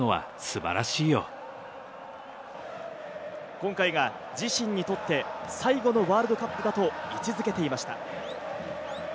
今回が自身にとって最後のワールドカップだと位置付けていました。